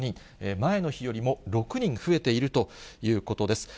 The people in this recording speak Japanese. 前の日よりも６人増えているということです。